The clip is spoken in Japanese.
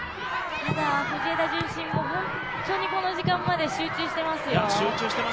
ただ藤枝順心も本当にこの時間まで集中してますよ。